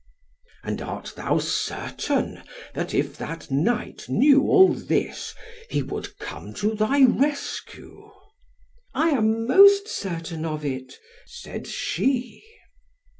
"And art thou certain, that if that knight knew all this, he would come to thy rescue?" "I am most certain of it," said she.